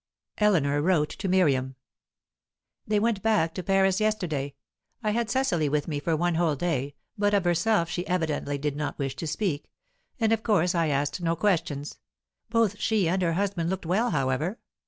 Eleanor wrote to Miriam: "They went back to Paris yesterday. I had Cecily with me for one whole day, but of herself she evidently did not wish to speak, and of course I asked no questions. Both she and her husband looked well, however.